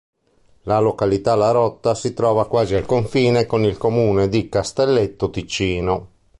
La località "La Rotta" si trova quasi al confine col comune di Castelletto Ticino.